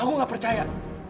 aku gak percaya